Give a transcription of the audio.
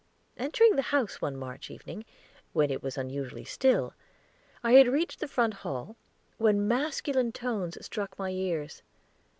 Entering the house one March evening, when it was unusually still, I had reached the front hall, when masculine tones struck my ears.